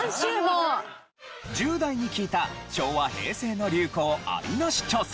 １０代に聞いた昭和・平成の流行アリナシ調査。